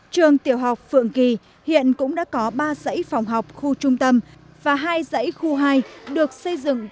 trường tiểu học phượng kỳ hiện cũng đã có ba dãy phòng học khu trung tâm và hai dãy khu hai được xây dựng